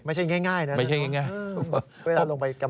ไม่ใช่ง่ายนะครับ